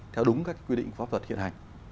theo đúng các quy định pháp luật hiện hành